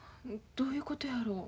どういうことやろ。